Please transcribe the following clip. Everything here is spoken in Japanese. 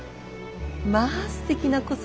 まあすてきな小袖。